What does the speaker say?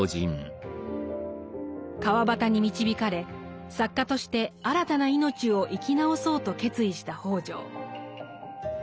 川端に導かれ作家として新たな命を生き直そうと決意した北條。